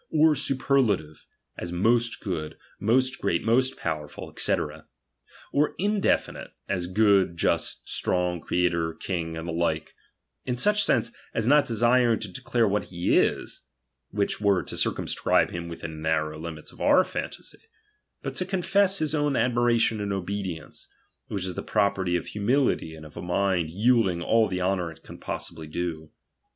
or superlative, as most good, moil great, most powerful, &c. ; or indefinite, as gaod> just, strong, creator, king, and the like ; in such sense, as not desiring to declare what he is ; (which were to circumscribe him within the narrow limits of our phantasy) ; but to confess his own admira tion and obedience, which is the property of hu mility and of a mind yielding all the honour it possibly can do.